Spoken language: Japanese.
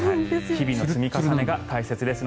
日々の積み重ねが大事です。